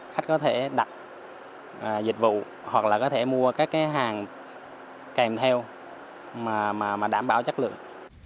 khách có thể đặt dịch vụ hoặc là có thể mua các cái hàng kèm theo mà đảm bảo chất lượng